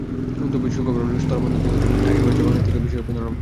তবে সুখবর হলো, স্থলবন্দর দিয়ে আগেরবারের চেয়ে বাংলাদেশ থেকে পণ্য রপ্তানি বেশি হয়েছে।